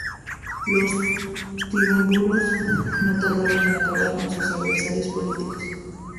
Los triunviros no tardaron en acabar con sus adversarios políticos.